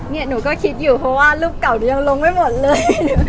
หนูก็คิดอยู่เพราะว่ารูปเก่าหนูยังลงไม่หมดเลย